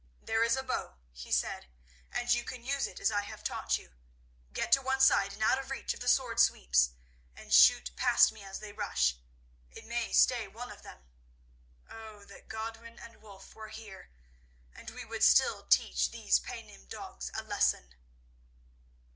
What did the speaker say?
"There is a bow," he said, "and you can use it as I have taught you. Get to one side and out of reach of the sword sweeps, and shoot past me as they rush; it may stay one of them. Oh, that Godwin and Wulf were here, and we would still teach these Paynim dogs a lesson!"